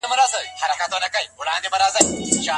انسان ته خير په کومو شيانو کي پټ وي؟